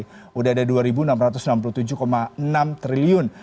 sudah ada dua enam ratus enam puluh tujuh enam triliun